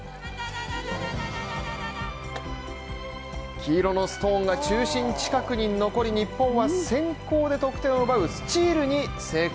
黄色のストーンが中心近くに残り日本は先行で得点を奪うスチールに成功。